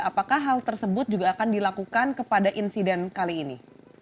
apakah hal tersebut juga akan dilakukan kepada insiden kali ini